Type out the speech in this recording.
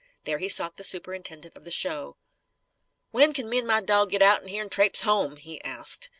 There he sought the superintendent of the show. "When c'n me an' my dawg git outen here an' traipse home?" he asked.